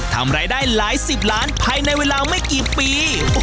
ทำรายได้หลายสิบล้านภายในเวลาไม่กี่ปี